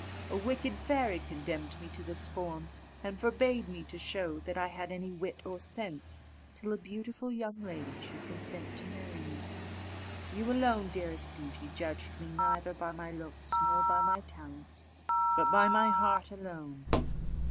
"A wicked fairy condemned me to this form, and forbade me to show that I had any wit or sense, till a beautiful lady should consent to marry me. You alone, dearest Beauty, judged me neither by my looks nor by my talents, but by my heart alone.